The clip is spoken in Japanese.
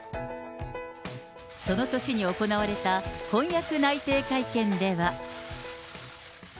その年に行われた婚約内定会見では。